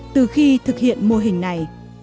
từ khi thực hiện mô hình này